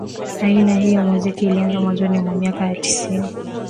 Aina hii ya muziki ilianza mwanzoni mwa miaka ya tisini